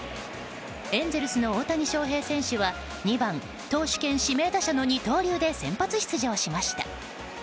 エンゼルスの大谷翔平選手は２番投手兼指名打者の二刀流で先発出場しました。